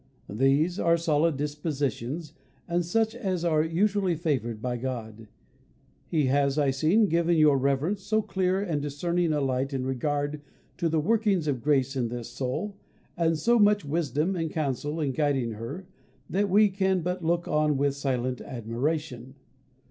These are solid dispositions and such as are usually favoured by God. He has, I see, given your Reverence so clear and discerning a light in regard to the workings of grace in this soul and so much wisdom and counsel in guiding her that we can but look on with silent admiration.